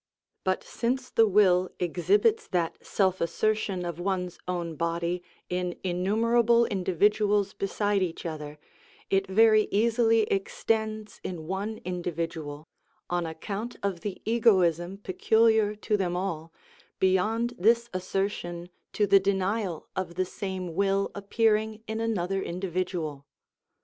But since the will exhibits that self assertion of one's own body in innumerable individuals beside each other, it very easily extends in one individual, on account of the egoism peculiar to them all, beyond this assertion to the denial of the same will appearing in another individual.